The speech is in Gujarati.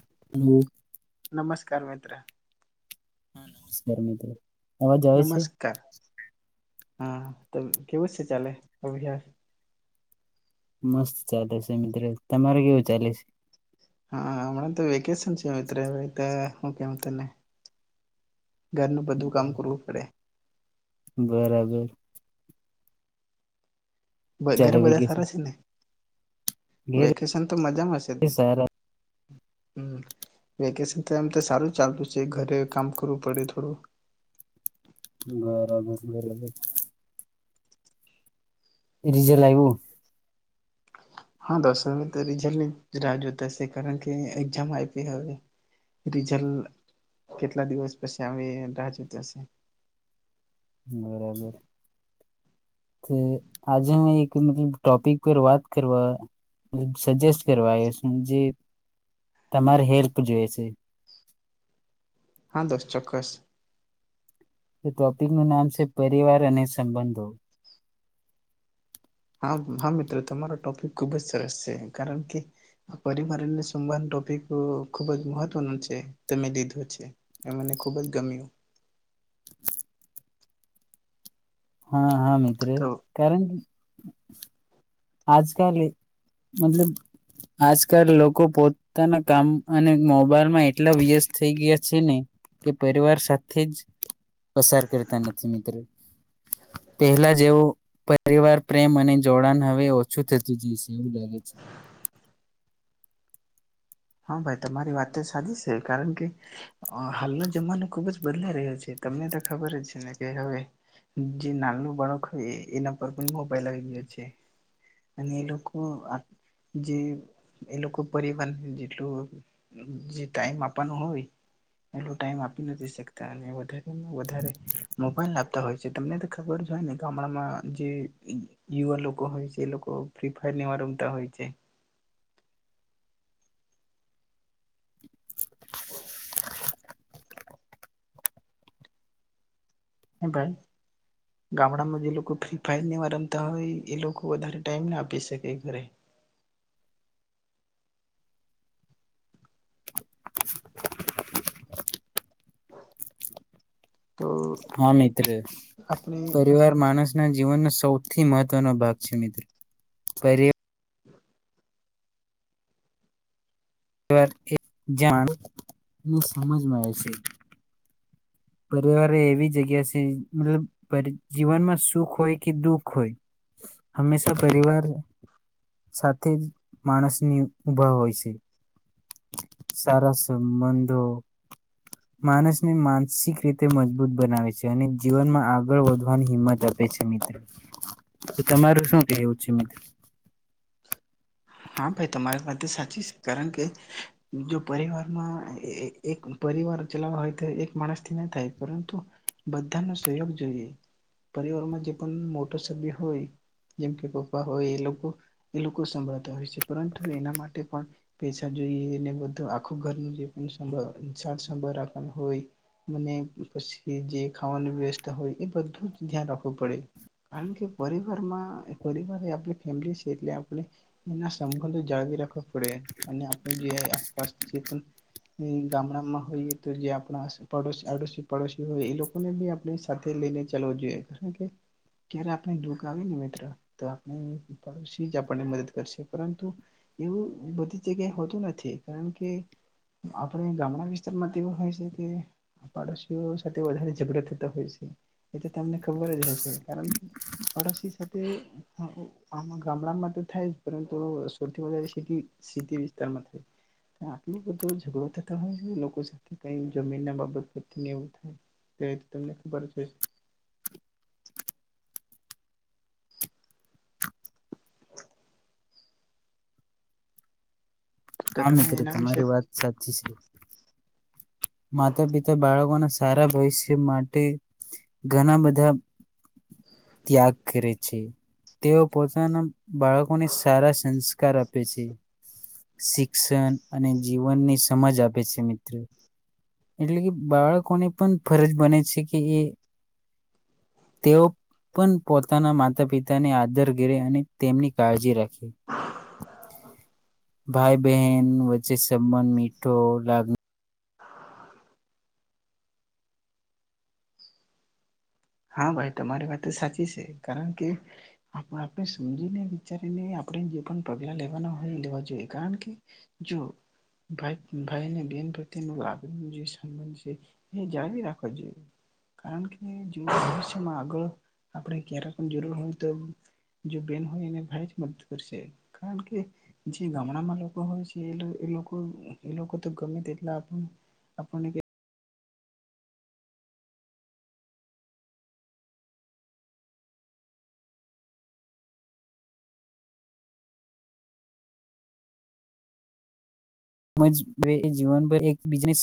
[inaudible] નમસ્કાર મિત્ર હા નમસ્કાર મિત્રો અવાજ આવે છે. [inaudible] નમસ્કાર હા તો કેવું છે ચાલે અભ્યાસ મસ્ત ચાલે છે મિત્ર તમાર કેવું ચાલે છે. હા હમણા તો વેકેશન [unintelligible] ઓકે હું તને ઘરનું બધું છે કામ કરવું પડે. બરાબર. ઘરે ચાલે બધા વેકેશન સારા છે ને ઘેર વેકેશન તો મજામાં હશે. એ સારા હ વેકેશન તો એમ તો સારું ચાલતું છે ઘરે કામ કરવું પડે થોડું [unintelligible] રીજેલ આયવું. હા દોશો તો રીઝલની રાહ જોતા હશે કારણ કે એક્ઝામ આપી હવે રીઝલ કેટલા દિવસ પછી આવે રાહ જોતા હશે. બરાબર તો આજે હું એક મતલબ ટોપિક પર વાત કરવા સજેસ્ટ કરવા આવ્યો છું જે તમારી હેલ્પ જોઈ છે હા દોસ્ત ચોક્કસ ટોપિકનું નામ છે પરિવાર અને સંબંધો હા-હા મિત્રો તમારો ટોપિક ખુબ જ સરસ છે કારણ કે પરિવાર સવાદ ટોપિક ખુબ જ મહત્વનું છે તમે લીધું છે એ મને ખુબ જ ગમ્યું. હા-હા મિત્ર તો કારણ. [inaudible] આજકાલ મતલબ આજકાલ લોકો પોતાના કામ અને મોબાઈલમાં એટલા વ્યત થઈ ગયા છે ને કે પરિવાર સાથે જ પસાર કરતા નથી મિત્રો પહેલા જેવો પરિવાર પ્રેમ અને જોડાણ હવે અ ઓછું થતું જાય છે એવું લાગે છે. હા ભાઈ તમારી વાત તો સાચી છે કારણ કે હાલનો જમાનો ખુબ જ બદલાઈ રહ્યો છે તમને તો ખબર જ છે ને કે હવે જે નાનું બાળક હોય એના પર પણ મોબાઈલ આવી ગયો છે અને એ લોકો જે એ લોકો પરિવાર એ જે ટાઈમ આપવાનું હોય એટલો ટાઈમ આપી નથી શકતા અને વધારે વધારે મોબાઈલ આપતા હોય છે તમને ખબર જ હોય ને ગામડામાં જે યુવા લોકો હોય છે એ લોકો ફ્રી ફાયરવ રમતા હોય છે. [inaudible] હ ભાઈ ગામડામાં જે લોકો ફ્રી ફાયર નીવા રમતા હોય એ લોકો વધારે ટાઈમ ના આપી શકે ઘરે. તો હા મિત્ર આપણે પરિવાર માણસ જીવનનો સૌથી મહત્વનો ભાગ છે મિત્રો [inaudible] [inaudible] [unintelligible] પરિવાર એવી જગ્યા છે મતલબ જીવનમાં સુખ હોય કે દુખ હોય હંમેશા પરિવાર સાથે જ માણસની ઊભા હોય છે. સારા સંબંધો માણસને માન માનસિક રીતે મજબૂત બનાવે છે અને જીવનમાં આગળ વધવાની હિંમત આપે છે મિત્ર તો તમારું શું કહેવું છે મિત્ર? હા ભાઈ, તમારી વાત સાચી છે. કારણ કે જો પરિવારમાં એક પરિવાર ચલાવ હોય તો, એક માણસ થી ના થાય. પરંતુ બધાનો સહયોગ જોઈએ પરિવારમાં જે પણ મોટા સભ્ય હોય, જેમ કે પપ્પા હોય એ લોકો. એ લોકો સાંભળતા હોય છે. પરંતુ એના માટે પણ. પેસા જોઈએ ને, બધું આખું ઘરનું જે પણ સાર સંભાળ રાખવાનું હોય, મને પછી જે ખાવાનું વ્યવસ્થા હોય, એ બધું જ ધ્યાન રાખવું પડે. કારણ કે પરિવારમાં પરિવાર આપણી ફેમિલી છે એટલે. [unintelligible] જાળવી રાખવા પડે. અને આપણે જે આસપાસ જે પણ ગામડામાં હોઈએ તો જે આસ આડોશી પડડોશી હોય એ લોકોને ભી આપણે સાથે લઈને ચાલવું જોઈએ. કારણ કે ક્યારે આપણે દુઃખ આવે ને, મિત્રો તો આપણે પડોશી જ. [unintelligible] એવું બધી જગ્યાએ હોતું નથી. કારણ કે આપણે ગામડા વિસ્તારમાં તો એવું હોય છે કે. પાડોશીઓ સાથે વધારે ઝઘડા થતા હોય છે. એ તો તમને ખબર જ હશે. કારણ કે પાડોશ સાથે આ ગામડામાં. થાય પરંતુ સૌથી વધારે સિટી સિટી વિસ્તારમાં થાય. આટલું બધું ઝઘડો થતા હોય છે. લોકો સાથે કેય જમીન ના બાબત એવું થાય, તો તમને ખબર જ હોય. [inaudible] તો હા તમે મિત્ર, એના વિશે તમારી વાત સાચી છે. માતા પિતા બાળકોના. સારા ભવિષ્ય માટે ઘણા બધા ત્યાગ કરે છે. તેઓ પોતાના. બાળકોને સારા. [unintelligible] આપે છે. શિક્ષણ અને જીવનની સમજ આપે છે, મિત્રો. એટલે કે બાળકોને પણ ફરજ બને છે કે એ તેઓ પણ પોતાના માતા પિતાને આદર કરે. અને તેમની કાળજી રાખે. ભાઈ બહેન વચ્ચે સંબંધ મીઠો લાગણી. હા ભાઈ, તમારી વાત સાચી છે. કારણ કે આપણે સમજીને વિચારીને આપણે જે પણ પગલા લેવાના હોય એ લેવા જોઈએ. કારણ કે જો ભાઈ અને બેન પ્રત્યેનો લાભ ન જે સબંધ છે. એ જાળવી રાખવો જોઈએ કારણ કે. [inaudible] આગળ આપણે ક્યારે પણ જરૂર હોય. તો જો બેન હોય એને ભાઈ જ મદદ કરશે. કારણ કે જે ગામડામાં લોકો હોય છે. એ એ લોકો એ લોકો તો ગમે તે એટલા આપણને. [unintelligible]